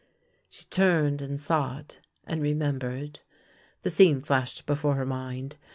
She turned and saw it, and remembered. The scene flashed before her mind.